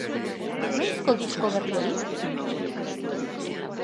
Noizko disko berri hori?